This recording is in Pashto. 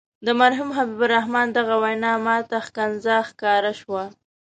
د مرحوم حبیب الرحمن دغه وینا ماته ښکنځا ښکاره شوه.